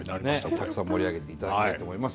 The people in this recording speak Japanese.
たくさん盛り上げていただきたいと思います。